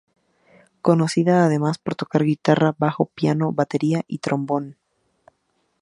Conocida además por tocar la guitarra, bajo, piano, batería y trombón.